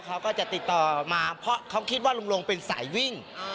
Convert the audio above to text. เขาก็จะติดต่อมาเพราะเขาคิดว่าลุงลงเป็นสายวิ่ง